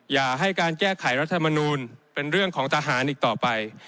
อย่าให้การแก้ไขรัฐมนูลเป็นเรื่องของทหารอีกต่อไป